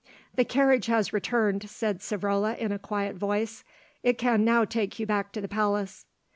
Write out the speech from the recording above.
"The carriage has returned," said Savrola in a quiet voice. "It can now take you back to the palace."